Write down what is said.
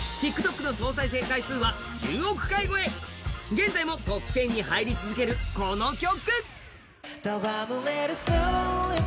現在もトップ１０に入り続ける、この曲。